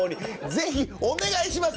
「ぜひお願いします！